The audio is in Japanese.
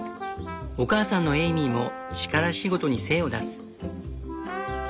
お母さんのエイミーも力仕事に精を出す。